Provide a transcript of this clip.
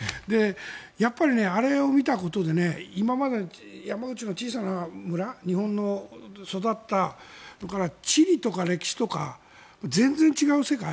やっぱり、あれを見たことで今まで山口の小さな村日本のそこで育った地理とか歴史とか全然違う世界。